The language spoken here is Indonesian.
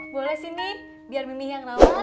boleh sini biar mimi yang rawat